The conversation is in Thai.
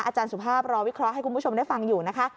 อาจารย์สุภาพรอวิเคราะห์ให้คุณผู้ชมได้ฟังอยู่นะคะ